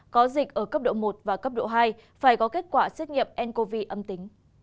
có dịch ở cấp độ một và cấp độ hai phải có kết quả xét nghiệm ncov âm tính